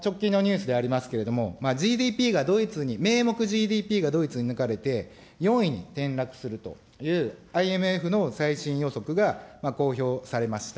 これ、直近のニュースでありますけども、ＧＤＰがドイツに名目ＧＤＰがドイツに抜かれて、４位に転落するというＩＭＦの最新予測が公表されました。